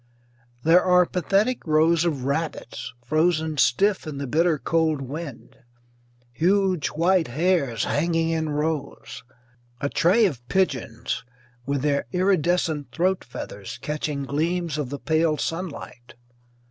There are pathetic rows of rabbits, frozen stiff in the bitter cold wind; huge white hares hanging in rows; a tray of pigeons with their iridescent throat feathers catching gleams of the pale sunlight.